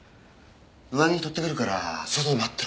上着取ってくるから外で待ってろ。